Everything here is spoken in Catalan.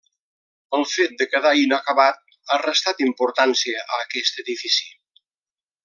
El fet de quedar inacabat ha restat importància a aquest edifici.